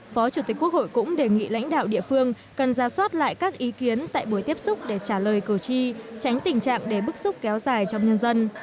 phó chủ tịch quốc hội cũng đề nghị lãnh đạo địa phương cần ra soát lại các ý kiến tại buổi tiếp xúc để trả lời cử tri tránh tình trạng để bức xúc kéo dài trong nhân dân